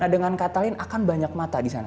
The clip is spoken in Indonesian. dengan kata lain akan banyak mata di sana